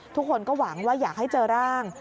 ทุกคนก็หวังว่าอยากให้เจอร่าง